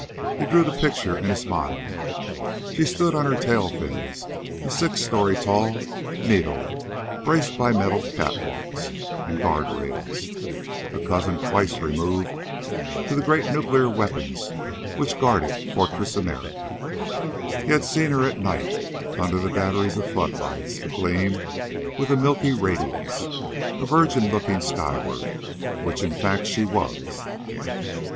He drew the picture in his mind. She stood on her tail fins; a six story tall needle braced by metal catwalks and guard rails; a cousin twice removed to the great nuclear weapons which guarded Fortress America. He had seen her at night, under the batteries of floor lights, agleam with a milky radiance; a virgin looking skyward, which, in fact, she was.